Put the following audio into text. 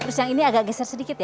terus yang ini agak geser sedikit ya